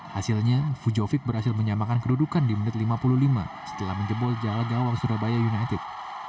hasilnya fujovic berhasil menyamakan kedudukan di menit lima puluh lima setelah menjebol jalan gawang surabaya united